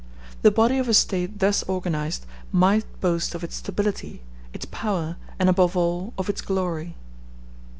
The body of a State thus organized might boast of its stability, its power, and, above all, of its glory.